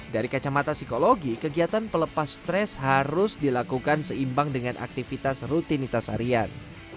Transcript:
dari kacamata psikologi kegiatan pelepas stres harus dilakukan seimbang dengan aktivitas rutinitas harian